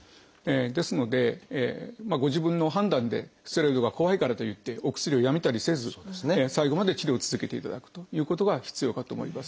ですのでご自分の判断でステロイドが怖いからといってお薬をやめたりせず最後まで治療を続けていただくということが必要かと思います。